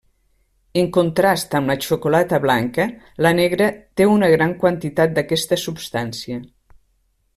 En contrast amb la xocolata blanca, la negra té una gran quantitat d'aquesta substància.